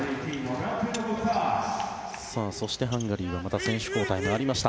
そして、ハンガリーはまた選手交代がありました。